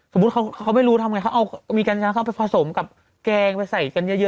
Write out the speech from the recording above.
สมมุติเขาไม่รู้ทำไงเขาเอามีกัญชาเข้าไปผสมกับแกงไปใส่กันเยอะ